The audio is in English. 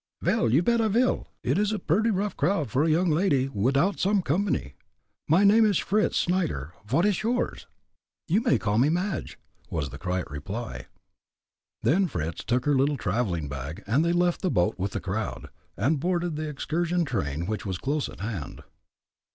"Vel, you bet I vil! Id is a purdy rough crowd for a young lady withoud some company. My name ish Fritz Snyder; vot ish yours?" "You may call me Madge," was the quiet reply. Then Fritz took her little traveling bag, and they left the boat with the crowd, and boarded the excursion train which was close at hand.